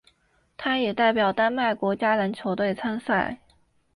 他也代表丹麦国家篮球队参赛。